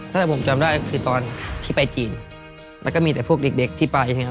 ถ้าผมจำได้คือตอนที่ไปจีนแล้วก็มีแต่พวกเด็กที่ไป